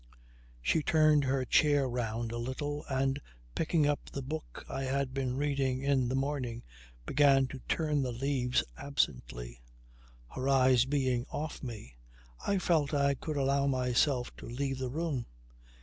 She turned her chair round a little and picking up the book I had been reading in the morning began to turn the leaves absently. Her eyes being off me, I felt I could allow myself to leave the room.